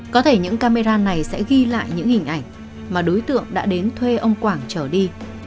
có thể những camera này sẽ ghi lại những hình ảnh mà đối tượng đã đến thuê ông quảng trở đi